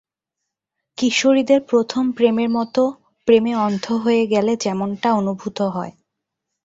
কিশোরীদের প্রথম প্রেমের মত, প্রেমে অন্ধ হয়ে গেলে যেমনটা অনুভূত হয়।